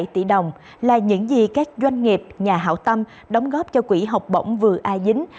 năm mươi bảy tỷ đồng là những gì các doanh nghiệp nhà hảo tâm đóng góp cho quỹ học bổng vừa ai dính